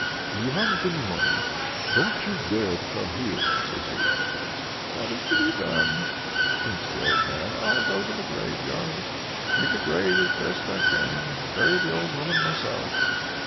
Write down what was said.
"If you haven't any money, don't you dare to come here," says he. "What's to be done?" thinks the old man. "I'll go to the graveyard, dig a grave as I best can, and bury the old woman myself."